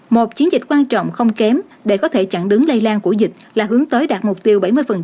một chiến dịch quan trọng không kém để có thể chặn đứng lây lan của dịch là hướng tới đạt mục tiêu bảy mươi